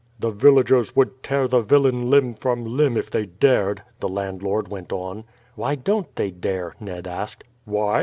"The villagers would tear the villain limb from limb if they dared," the landlord went on. "Why don't they dare?" Ned asked. "Why?